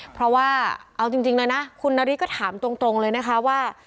เพราะว่าเอาจริงเลยนะคุณนาริสก็ถามตรงเลยนะคะว่า